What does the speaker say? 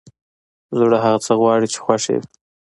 زړه هغه څه غواړي چې خوښ يې وي!